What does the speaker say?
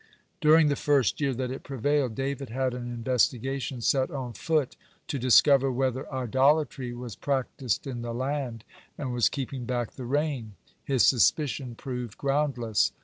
(111) During the first year that it prevailed, David had an investigation set on foot to discover whether idolatry was practiced in the land, and was keeping back the rain. His suspicion proved groundless.